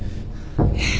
えっ！？